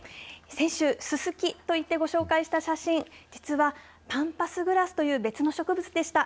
先週、ススキといってご紹介した写真、実はパンパスグラスという別の植物でした。